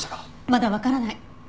まだわからない。